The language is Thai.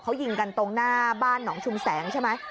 เขายิงกันตรงหน้าบ้านหนองชุมแสงใช่ไหม